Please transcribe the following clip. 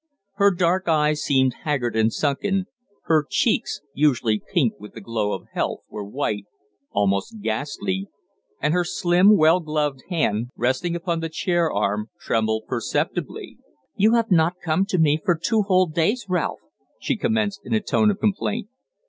Her dark eyes seemed haggard and sunken, her cheeks, usually pink with the glow of health, were white, almost ghastly, and her slim, well gloved hand, resting upon the chair arm, trembled perceptibly. "You have not come to me for two whole days, Ralph," she commenced in a tone of complaint.